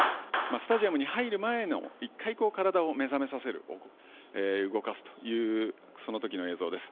スタジアムに入る前の１回、体を目覚めさせる、動かすというその時の映像です。